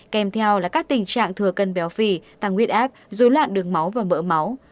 kèm theo là các tình trạng thừa cân béo phì tăng huyết áp dối loạn đường máu và mỡ máu